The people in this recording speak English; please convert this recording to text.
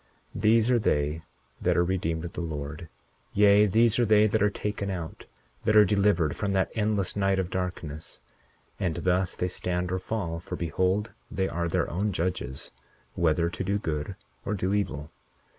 41:7 These are they that are redeemed of the Lord; yea, these are they that are taken out, that are delivered from that endless night of darkness; and thus they stand or fall; for behold, they are their own judges, whether to do good or do evil.